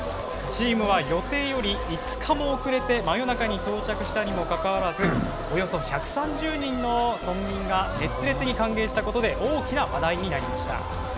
チームは予定より５日も遅れて真夜中に到着したにもかかわらずおよそ１３０人の村民が熱烈に歓迎したことで大きな話題になりました。